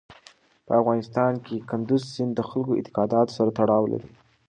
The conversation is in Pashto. په افغانستان کې کندز سیند د خلکو د اعتقاداتو سره تړاو لري.